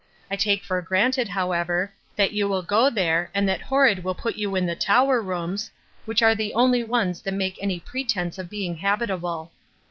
I take for granted, however, that you will go there and that Horrod will put you in the tower rooms, which are the only ones that make any pretence of being habitable.